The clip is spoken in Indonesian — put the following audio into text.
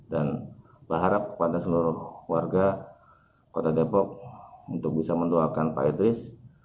dan berharap kepada seluruh warga kota depok untuk bisa mendoakan pak idris